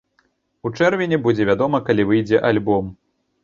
У чэрвені будзе вядома, калі выйдзе альбом.